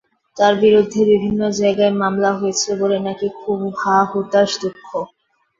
তার বিরুদ্ধে বিভিন্ন জায়গায় মামলা হয়েছে বলে নাকি খুব হা-হুতাশ দুঃখ।